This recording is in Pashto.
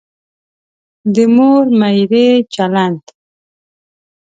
د مور میرې چلند.